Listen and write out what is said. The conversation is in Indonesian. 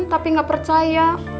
tapi gak percaya